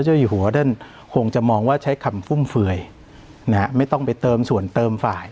เจ้าอยู่หัวท่านคงจะมองว่าใช้คำฟุ่มเฟื่อยนะฮะไม่ต้องไปเติมส่วนเติมฝ่าย